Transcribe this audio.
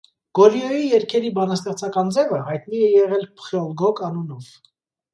Գորյոյի երգերի բանաստեղծական ձևը հայտնի է եղել փխյոլգոկ անունով։